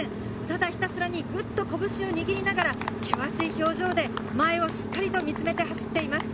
ただひたすらにグッと拳を握りながら険しい表情で前をしっかり見つめて走っています。